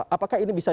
apakah ini bisa